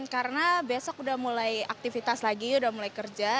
karena besok sudah mulai aktivitas lagi sudah mulai kerja